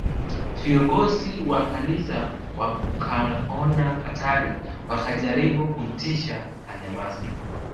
Viongozi wa Kanisa wakaona hatari wakajaribu kumtisha anyamaze